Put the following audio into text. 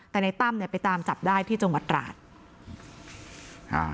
แต่ในตั้มเนี่ยไปตามจับได้ที่จังหวัดราชอ่า